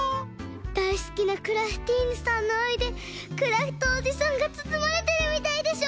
だいすきなクラフティーヌさんのあいでクラフトおじさんがつつまれてるみたいでしょ？